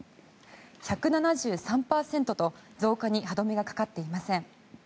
１７３％と増加に歯止めがかかっていません。